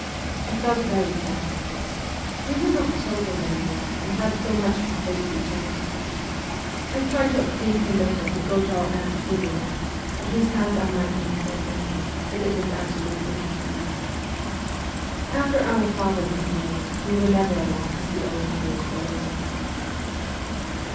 I felt very sad. We were not children any more, and had so much to say to each other. I tried to obtain permission to go to our aunt Sulima, at whose house I might meet Alexander, but it was absolutely refused. After our father re married we were never allowed to see our mother's relations.